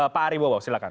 pak ari bawowo silahkan